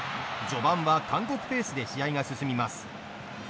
序盤は韓国ペースで試合が進みます。